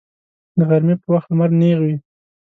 د غرمې په وخت لمر نیغ وي